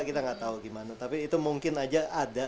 kita gak tau gimana tapi itu mungkin aja ada